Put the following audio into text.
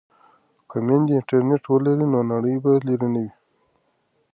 که میندې انټرنیټ ولري نو نړۍ به لرې نه وي.